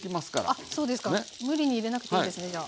あそうですか。無理に入れなくていいんですねじゃあ。